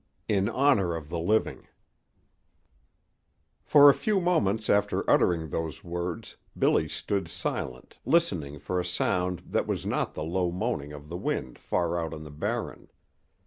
III IN HONOR OF THE LIVING For a few moments after uttering those words Billy stood silent listening for a sound that was not the low moaning of the wind far out on the Barren.